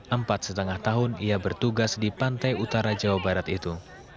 empat setengah tahun ia bertugas di pantai utara jawa barat itu